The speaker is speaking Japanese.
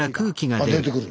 あ出てくる。